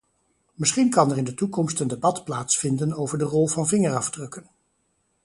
Misschien kan er in de toekomst een debat plaatsvinden over de rol van vingerafdrukken.